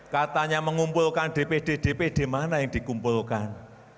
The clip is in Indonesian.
katanya mengumpulkan dpd dpd mana yang dikumpulkan